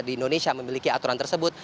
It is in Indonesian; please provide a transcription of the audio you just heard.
di indonesia memiliki aturan tersebut